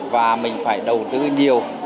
và mình phải đầu tư nhiều